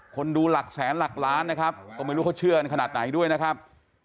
คนดูหลักแสนหลักล้านนะครับก็ไม่รู้เขาเชื่อกันขนาดไหนด้วยนะครับ